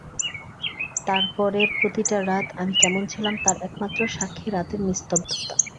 তারপরের প্রতিটি রাত আমি কেমন ছিলাম, তার একমাত্র সাক্ষী রাতের নিস্তব্ধতা।